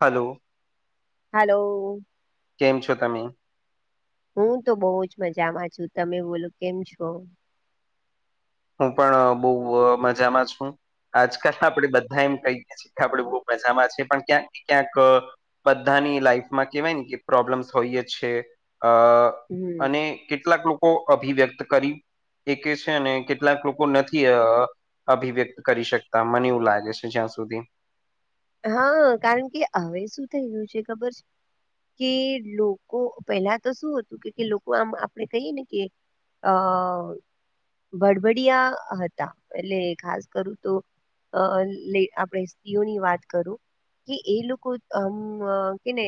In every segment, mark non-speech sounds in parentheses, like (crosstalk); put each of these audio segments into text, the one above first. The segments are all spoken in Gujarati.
(inaudible) Hello hello. કેમ છો તમે? હું તો બહુ જ મજામાં છું. તમે બોલો કેમ છો? હું પણ બઉુ મજામાં છું. આજકાલ આપણેે બધા એમ કહીએ છીએ, કે આપડે બહુ મજામાં છે પણ ક્યાંક ને ક્યાંક બધાની લાઈફમાં કેહેવાય ને કે પ્રોબ્લેમ્સ હોઈએ છે. અ હમ. અને કેટલાક લોકો અભિવ્યક્ત કરી એ કે છે, અને કેટલાક લોકો નથી અભિવ્યક્ત કરી શકતા મને એવું લાગે છે, જ્યાં સુધી હા, કારણ કે હવે શું થઈ ગયું છે, ખબર છે? કે લોકો પેલા તો શું હતું કે લોકો આમ આપણેે કહીએ ને કે, અ બડબડિયા હતા, એટલે ખાસ કરું તો અ લ આપણે સ્ત્રીઓની વાત, કે એ લોકો આમ કેને,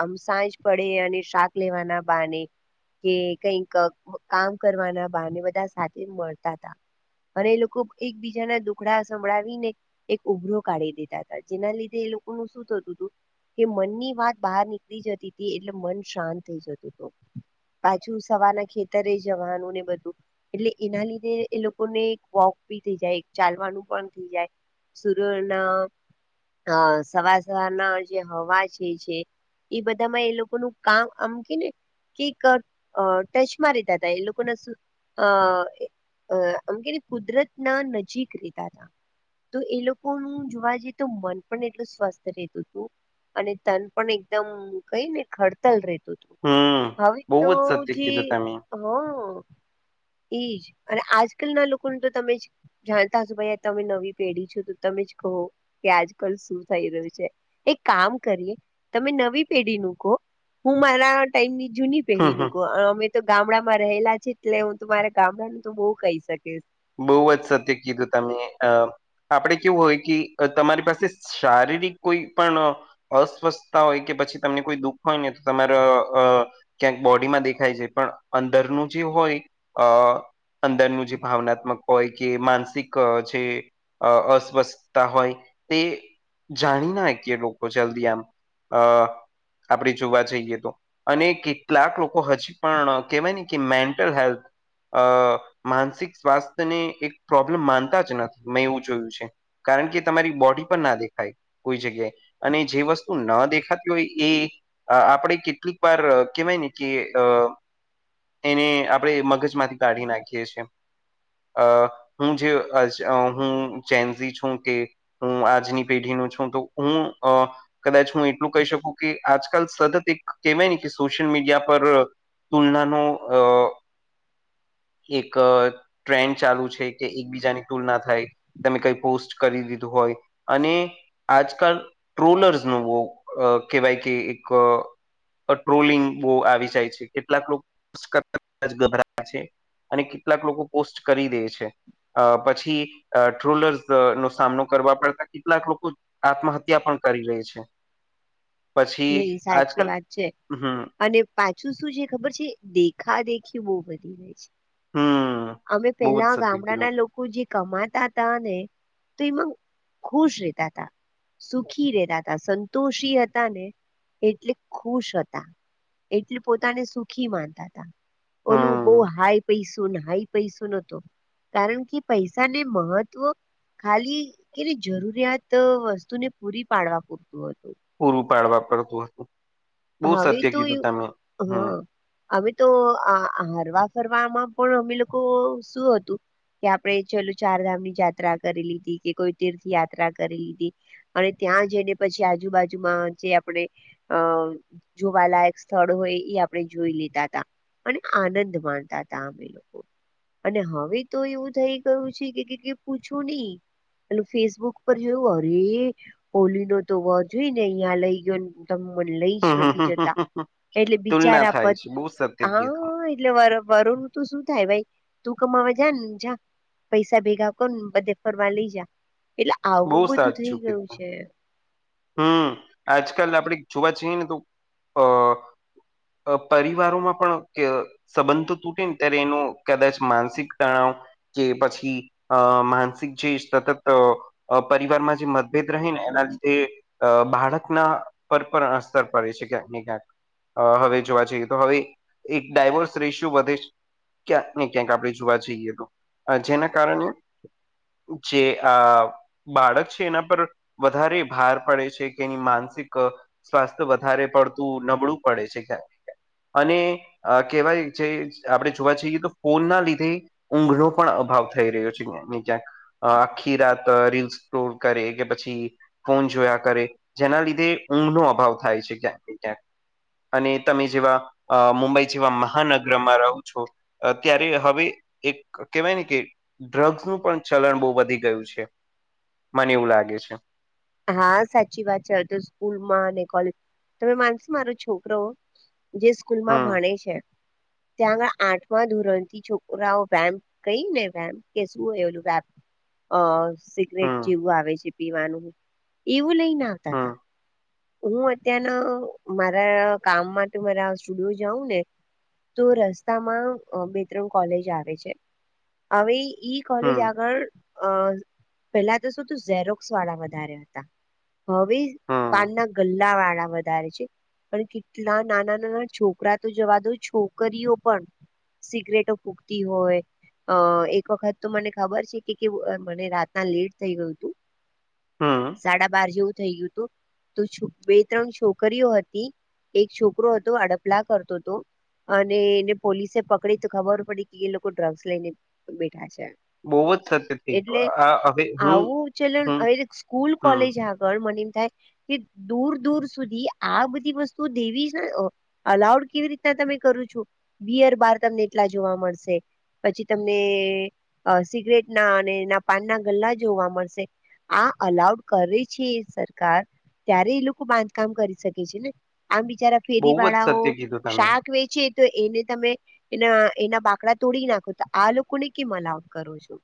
આમ સાંજ પડે અને શાક લેવાના બાને, કે કઈક કામ કરવાના ને બધા સાથે મળતા હતા. અને એ લોકો એકબીજા ના દુખડા સંભળાવીને એક ઉભરો. કાઢી દીધા જેના લીધે એ લોકોનું શું થતું હતું, કે મનની વાત બહાર નીકળી જતી હતી એટલે મન શાંત થઈ જતું હતું. પાછું સવારે ના ખેતરે જવાનું ને બધું એટલે એના લીધે એ લોકોને એક વોક ભી થઈ જાય ચાલવાનું પણ થઈ જાય, સુરના અ સવાર સવારના જે હવા છે છે, એ બધા માં એ લોકો નું કામ અમકી ને કક ટચમાં રીધ હતા એ લોકોને શું અમકે કુદરત ના નજીક રેતા હતા. તો એ લોકો જોવા જઈએ તો મન પણ એટલું સ્વસ્થ રહેતું હતું અને તન પણ એકદમ કઈ ને ખડતલ રેટ હમ હવે બહુ તો જ સત્ય જે કીધું તમે હ એઈજ અને આજકાલ ના લોકોનું તો તમે જ જાણતા હશો ભાઈ તમે નવી પેઢી છો તમે જ કહો કે આજ કલ શું થઈ રહ્યું છે એક કામ કરીએ તમે નવી પેઢી ન કહો હું મારા ટાઈમની જૂની પેઢી હમ હમ નું અમે તો ગામડામાં રહેલા છે એટલે હુંરા ગામડાનું તો બઉુ કહી શકીશ બહુ જ સત્ય કીધું ત મેમે અ આપડણે કેવું હોય કે તમારી પાસે શારીરિક કોઈ પણ અસ્વસ્થતા હોય કે પછી તમને કોઈ દુઃખ હોય ને તો તમારા ક્યાંક બોડીમાં દેખાય છે પણ અંદરનું જે હોય અ અંદર મુ જેજી ભાવના હોય કે માનસિક જે અસ્વસ્થતા હોય તે જાણી નાખીએ લોકો જલ્દી આમ આપડી જોવા જઈએ તો અને કેટલાક લોકો હજી પણ કહેવાય ને કે મેન્ટલ હેલ્થ અ માનસિક સ્વાસ્થ્યને એક પ્રોબ્લમ માનતા જ નથી મેં એવું જોયું છે કારણ કે તમારી બોડી પણ ના દેખાય કોઈ જગ્યાએ અને જે વસ્તુ ન દેખાતી હોય એ આપણે કેટલીક વાર કેવાય ને કે અ એને આપડણે મગજમાંથી કાઢી નાખીએ છીએ અ હું જે હું ચેન્ઝી છું કે હું આજની પેઢી નું છું તો હું કદાચ હું એટલું કહી શકું કે આજકાલ સતત એક કહેવાય ને કે સોશિયલ મીડિયા પર તુલનાનો અ એક ટ્રેન્ડ ચાલુ છે કે એકબીજાની તુલના થાય તમે કઈ પોસ્ટ કરી દીધું હોય અને આજકાલ ટ્રોલર્સ ન કહેવાય કે એક ટ્રોલિંગ બહ આવી જાય છે કેટલાક લોકો ગભરાયા છે અને કેટલાક લોકો પોસ્ટ કરી દે છે અ પછી ટ્રોલર્સ નો સામનો કરવા પડતા કેટલાક લોકો આત્મહત્યા પણ કરી રહી છે પછી નહી સાચી આજકાલ વાત છે હમ અને પાછું શું છે ખબર છે દેખા દેખી બહુ વધી જાય છે હમ અમે બહુ જ પેલા સત્ય કીધું ગામડાના લોકો જે કમાતા હતાા ને તો એમાં ખુશ રેતા હતાા સુખી રહેતા હતા સંતોષી હતા ને એટલે ખુશ હતા એટલે પોતાને સુખી માનતા હતા ઓલું હમ બહ હાઈ પૈસું હાઈ પૈસું ન હતો કારણ કે પૈસા ને મહત્વ ખાલી કેલી જરૂરિયાત વસ્તુને પૂરી પાડવા પૂરતું હતું પૂરું પાડવા પડતું હતું બહુ હવે સત્ય તો એ કીધું તમે હમ હા અમે તો આ હરવા ફરવામાં પણ અમે લોકો શું હતું કે આપણે ચાલું ચારધામની યાત્રા કરી લીધી કે કોઈ તીર્થ યાત્રા કરી લીધી અને ત્યાં જઈને પછી આજુબાજુમાં જે આપડણે અ જોવાલાયક સ્થળ હોય એ આપણે જોઈ લેતા તા અને આનંદ માનતા હતા અમે લોકો અને હવે તો એવું થઈ ગયું છે કે પૂછું નહી પેલું ફેસબુક પર જોયું એ પોલી નો તો વ જોઈ ને અહિયાં લઈ ગયો તમ મને લઈ જ જતા એટલે તુલના બિચારા થાય પર છે બહુ સત્ય કીધું હા એટલે વારંવાર તો શું થાય ભાઈ તું કમાવા જને ને જા પૈસા ભેગા કર ને બધે ફરવા લઈ જા એટલે બહુ આવું બધું થઈ સાચું ગયું કીધું છે. હમ આજકાલ આપણે જોવા છીએ ને તો અ પરિવારોમાં પણ કે સબંધ તો તૂટે ને ત્યારે એનું કદાચ માનસિક તણાવ કે પછી અ માનસિક જે સતત પરિવારમાં જે મતભેદ રહે ને એના લીધે અ બાળકના પર પણ અસર પડે છે ક્યાંક ને ક્યાંક હવે જોવા જઈએ તો હવે એક ડાયવોર્સ રેશિયો વધે છે ક્યાંક ને ક્યાંક આપણે જોવા જઈએ તો જેના કારણે જે આ બાળક છે એના પર વધારે ભાર પડે છે કે એની માનસિક સ્વાસ્થ વધારે પડતું નબળું પડે છે કયાંક અને કહેવાય છે આપણે જોવા જઈએ તો ફોનના લીધે ઊંઘનો પણ અભાવ થઈ રહ્યો છે ક્યાંક ને કયાંક આખી રાત રીલસ સ્ક્રોલ કરે કે પછી ફોન જોયા કરે જેના લીધે ઊંઘ નો અભાવ થાય છે ક્યાંક ને ક્યાંક અને તમે જેવા મુંબઈ જેવા મહાનગરમાં રહો છો. ત્યારે હવે એક કહેવાય ને કે ડ્રગ્સ નું પણ ચલણ બહુ વધી ગયું છે મને એવું લાગે છે. હા સાચી વાત છે તો સ્કૂલમાં અને કોલેજમાં તમે માનશો મારો છોકરો જે સ્કૂલ માં હમ ભણે છે. ત્યાં આગળ આઠમા ધોરણ થી છોકરાઓ વેપ કઈ ને વેપ કે શું આવે વેપ અ સિગરેટ હમ જેવું આવે છે પીવાનું એવું લઈને આવતાતા હમ હું અત્યારના મારા કામ માટે મારા સ્ટુડિયો જાઉં ને તો રસ્તામાં બે ત્રણ કોલેજ આવે છે આવી કોલેજ હમ આગળ અ (unintelligible) પેલા તો શું ઝેરોક્ષવાળા વધારે હતા હવે હમ પાનના ગલ્લા વાળા વધારે છે. પણ કેટલા નાના નાના છોકરા તો જવા દો છોકરીઓ પણ સીગરેટો ફૂગતી હોય અ એક વખત તો મને ખબર છે કે મને રાતના લેટ થઈ ગયું હતું. હમ સાડા બાર જેવું થઇ ગયું હતું. તો બે ત્રણ છોકરીઓ હતી એક છોકરો હતો અ ડપલા કરતો હતો અને એને પોલીસે પકડી તો ખબર પડી કે એ લોકો ડ્રગ્સ લઈને બેઠા છે. બહુ જ સત્ય થઈ એટલે ગયું આ હવે હું આવું છે હમ સ્કૂલ હમ કોલેજ આગળ મને થાય. કે દૂર દૂર સુધી આ બધી વસ્તુ દેવી જ ને અલાઉડ કેવી રીતના તમે કરો છો બિયર બાર તમને એટલા જોવા મળશે પછી તમને સિગરેટ ના અને એ ના પાનના ગલ્લા જોવા મળશે. આ અલાઉડ કરે છે એ સરકાર ત્યારે એ લોકો બાંધકામ કરી શકે છે ને આમ બિચારા બહુ ફેરી જ વાળાઓ સત્ય કીધું તમે શાક વેચે. તો એને તમે એના એના બાકડા તોડી નાખો તો આ લોકોને કે અલાઉડ કરો છો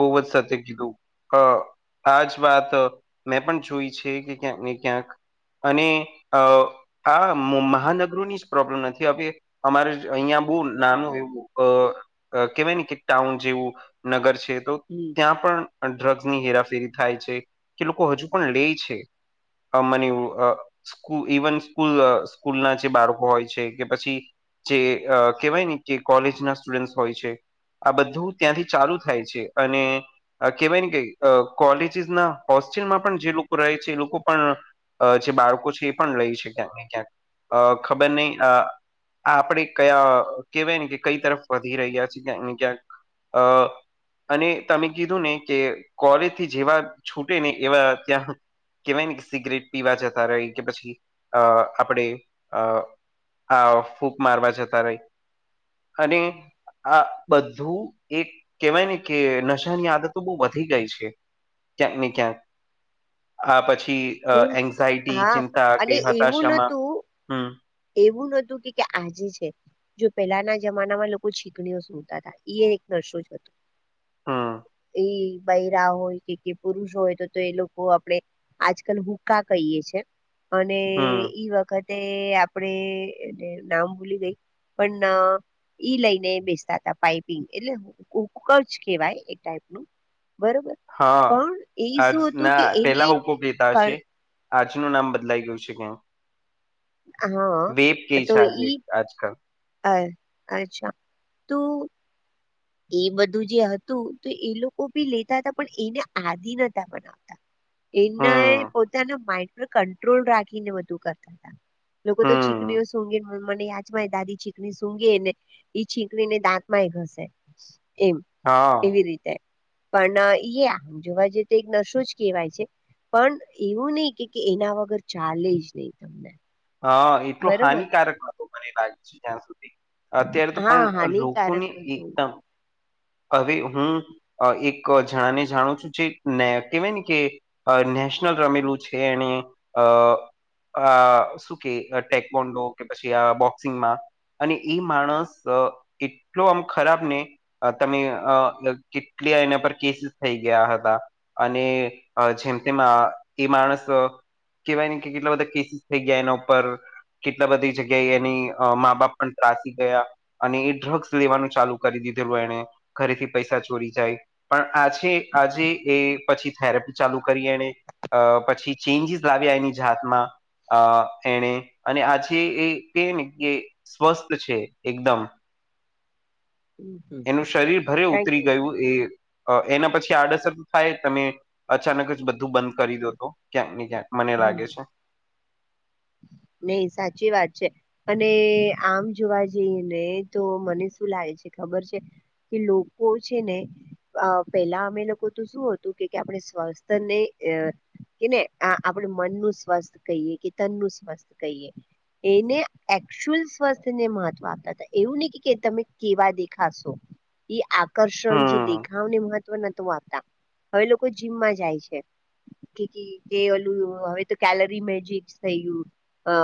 બહુ જ સત્ય કીધું. અ આજ વાત મેં પણ જોઈ છે કે ક્યાંક ને ક્યાંક અને અ હા મહાનગરોની જ પ્રોબ્લેમ નથી અમારે અહિયાં બહુ નાનું એવું અ કહેવાય કે ટાઉન જેવું નગર છે. તો હમ ત્યાં પણ ડ્રગ્સ ની હેરાફેરી થાય છે કે લોકો હજુ પણ લે છે અ મને એવુ સ્કૂ ઇવન સ્કૂલ સ્કૂલ ના જે બાળકો હોય છે કે પછી જે કહેવાય ને કે કોલેજ ના સ્ટુડન્ટ હોય છે આ બધું ત્યાંથી ચાલુ થાય છે અને કહેવાય ને કે કોલેજીસ ના હોસ્ટેલમાં પણ જે લોકો રહે છે એ લોકો પણ અ જે બાળકો છે એ પણ લે છે ક્યાંક ને ક્યાંક અ ખબર નહી આ આપણે કયા કહેવાય ને કે કઈ તરફ વધી રહ્યા છે ક્યાંક ને ક્યાંક અ અને તમે કીધું ને કે કોરેજ થી જેવા છૂટે ને એવા ત્યાં કહેવાય ને કે સિગરેટ પીવા જતા રહી કે પછી અ આપણે અ હા ફૂક મારવા જતા રહી અને આ બધું એક કેહેવાય ને કે નશાની આદતો બહુ વધી ગઈ છે ક્યાંક ને ક્યાંક આ પછી હું એન્ઝાયટી હા ચિંતા કે અને એવું હતાશામાં નતું હમ એવું નોતું કે આજે છે જો પહેલાના જમાનામાં લોકો છીકણીઓ સુતા તા એક નશો જ હતો. હા. એ બૈરા હોય કે પુરુષ હોય તો તો એ લોકો આપણે આજકાલ હુકા કહીએ છે અને હમ ઈ વખતે આપણે નામ ભૂલી ગઈ પણ ઈ લઈને બેસતા હતા પાઈપિંગ એટલે કુકર જ કેવાય એ ટાઈપનું બરોબર. હા પણ એ આજ શું હતું કે ના એને પેલા હુક્કો પિતા હશે આજનું નામ બદલાઈ ગયું છે કેં હા વેબ કઈ છે આજે આજકાલ હ અચ્છા તું એ બધું જે હતું તો એ લોકો ભી લેતા હતા પણ એને આદિ નતા બનાવતા એના હમ પોતાના માઇન્ડ પર કંટ્રોલ રાખીને બધું કરતા હતા. લોકો તો ચીકણીઓ હમ સુંંઘે મને યાચમાં દાદી ચીકણી સુંંઘે ને એ છીકડીને દાંતમાંય ઘસે એમ હા એવી રીતે પણ ઈ આમ જોવા જઈએ તો એક નશો જ કહેવાય છે. પણ એવું નઈ કે એના વગર ચાલે જ નહી તમને હ એતો બરોબર હાનિકારક હતો મને લાગે છે જ્યાં સુધી અત્યારે તો પણ હા હાનિકારક લોકોને હતું એકદમ હવે હું એક જણાને જાણું છું જેને કેહેવાય ને કે અ નેશનલ રમેલું છે એને અ અ શું કે ટેકબોન્ડો કે પછી આ બોક્સિંગમાં અને ઈ માણસ એટલો આમ ખરાબ ને તમે અ કેટલી એના પર કેસીસ થઈ ગયા હતા અને જેમ તેમ એ માણસ કેવાય ને કે કેટલા બધા કેસિસ થઈ ગયા એના ઉપર કેટલા બધી જગ્યાએ એની મા બાપ પણ ત્રાસી ગયા અને એ ડ્રગ્સ લેવાનું ચાલુ કરી દીધેલું એને ઘરેથી પૈસા ચોરી જાય પણ આજે આજે એ પછી થેરેપી ચાલુ કરી એને અ પછી ચેન્જીસ લાવ્યા એની જાતમાં અ એને અને આજે એ કે ને કે સ્વસ્થ છે એકદમ હમ, હમ. એનું શરીર ભરે કારણ ઉતરી કે ગયું એ એના પછી આડઅસર થાય તમે અચાનક જ બધું બંધ કરી દો તો ક્યાંક ને ક્યાંક મને હમ લાગે છે નહી સાચી વાત છે. અને આમ જોવા જઈએ ને તો મને શું લાગે છે ખબર છે કે લોકો છે ને પેલા અમે લોકો તું શું હતું કે આપણે સ્વસ્થને કે ને આપડે મનનું સ્વસ્થ કહીએ કે તન નું સ્વસ્થ કહીએ એને એકચુઅલ સ્વાસ્થ્ય ને મહત્વ આપતા હતા એવું નહી તમે કેવા દેખાશો એઈ આકર્ષણ જે હમ દેખ ભાવને મહત્વ નત આપતા હવે લોકો જીમમાં જાય છે કે ઓલું હવે તો કેલરી મે જ થઈ ગયું અ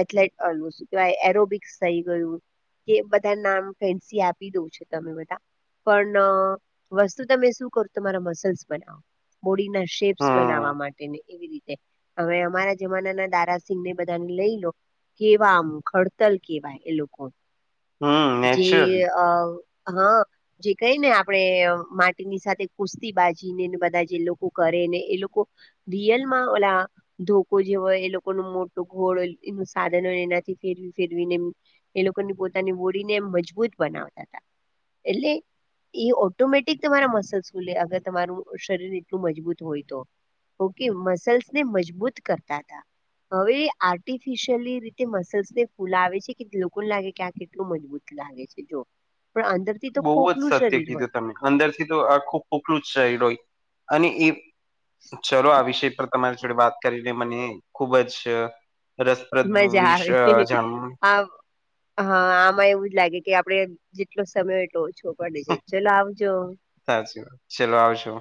એલેટ શ કેવાય એરોબ્સ થઈ ગયું કે બધા નામ ફન્સી આપી દઉં છો તમે બધા પણ વસ્તુ તમે શું કરો તમારા મસલ્સ બનાવો બોડી ના શેપ્સ હમ બનાવવા માટે એવી રીતે હવે અમારા જમાના ના દારાાસિં ને બધાને લઈ લો કેવામ ખડતલ કેવાય એ લોકો હમ જે નેચરલી આ હા જે કઈ ને આપણેે માટીની સાથે કુસ્તી બાજીને બધા જે લોકો કરે ને એ લોકો રયલમાં ઓળ દુખ લોકો જે હોય એ લોકોનું મોટું ઘોળ હોય એનું સાધન હોય એનાથી ફેરવી ફેરવીને એ લોકોની પોતાની બોડીને એ મજબૂત બનાવતા હતા એટલે એ ઓટોમેટિક તમારા મસલ્સ ખૂલે અગર તમારું શરીર એટલું મજબૂત હોય તો કી મસલ્સ ને મજબૂત કરતા હતા હવે આર્ટિફિશયલી રીતે મસલ્સને ફૂલા છે કે લોકોને લાગે કે આ કેટલું મજબૂત લાગે છે જો પણ અંદર બહુ જ સત્ય કીધું તમે અંદર થી તો આ ખૂબ ખોખલું જ શરીર હોય અને એ ચલો આ વિષય પર તમારી જોડે વાત કરીને મને ખુબ જ રસપ્રદ મજા વિશ આવે. જાણવ આ હા આમાં એવું જ લાગે કે આપડ જેટલો સમય હોય એટલો ઓછો પડે છે ચાલ આવજો સાચી વાત ચાલ આવશો